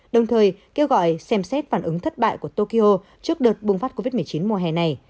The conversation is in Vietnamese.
đồng thời kêu gọi xem xét phản ứng thất bại của tokyo trước đợt bùng phát covid một mươi chín mùa hè này